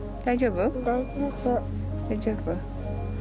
大丈夫？